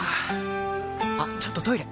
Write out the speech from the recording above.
あっちょっとトイレ！